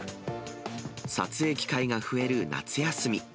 撮影機会が増える夏休み。